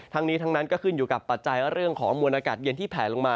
ทั้งนี้ทั้งนั้นก็ขึ้นอยู่กับปัจจัยเรื่องของมวลอากาศเย็นที่แผลลงมา